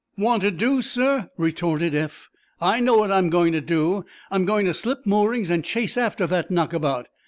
"Want to do, sir?" retorted Eph. "I know what I'm going to do. I'm going to slip moorings and chase after that knockabout.